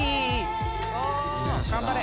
頑張れ！